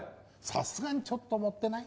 さすがにちょっと盛ってない？